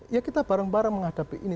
ya kita bareng bareng menghadapi ini